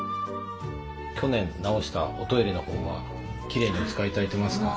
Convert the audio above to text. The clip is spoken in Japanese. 去年直したおトイレのほうはきれいにお使いいただいてますか？